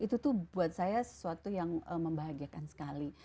itu tuh buat saya sesuatu yang membahagiakan sekali